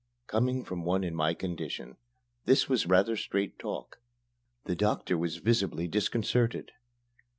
Coming from one in my condition, this was rather straight talk. The doctor was visibly disconcerted.